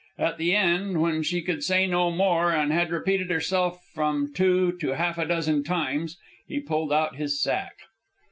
At the end, when she could say no more and had repeated herself from two to half a dozen times, he pulled out his sack.